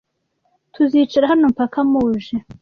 Tuzicara hano mpaka muje?